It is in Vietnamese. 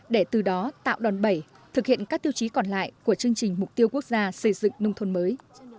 để từ đó tạo đòn bẩy thực hiện các tiêu chí còn lại của chương trình mục tiêu quốc gia xây dựng nông thôn mới